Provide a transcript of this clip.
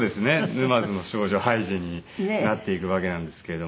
『ヌマヅの少女ハイジ』になっていくわけなんですけども。